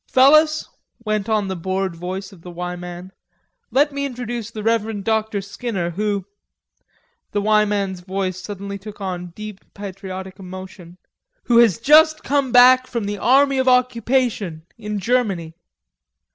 "Fellers," went on the bored voice of the "Y" man, "let me introduce the Reverend Dr. Skinner, who " the "Y" man's voice suddenly took on deep patriotic emotion "who has just come back from the Army of Occupation in Germany."